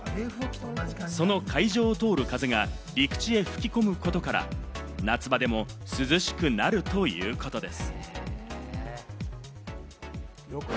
その海上を通る風が陸地へ吹き込むことから、夏場でも涼しくなるということです。